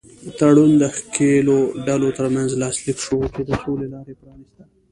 تړون د ښکېلو ډلو تر منځ لاسلیک شوه چې د سولې لاره یې پرانیسته.